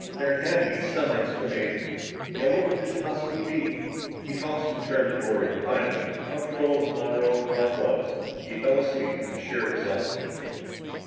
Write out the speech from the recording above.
There had to be some explanation. Yet what could it possibly be? He tossed and turned and worried and finally comfortable as the monorail car was he fell asleep from sheer exhaustion.